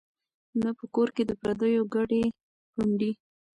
نه په کور کي د پردیو کډي پنډي